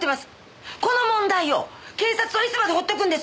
この問題を警察はいつまで放っておくんです！？